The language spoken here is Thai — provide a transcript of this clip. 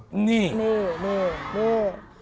นี่นี่นี่